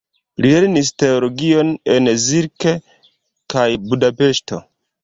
Li lernis teologion en Zirc kaj Budapeŝto.